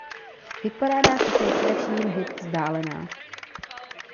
V hitparádách uspěl především hit „Vzdálená“.